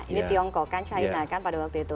ini tiongkok kan china kan pada waktu itu